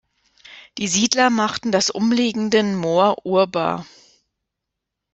Die Siedler machten das umliegenden Moor urbar.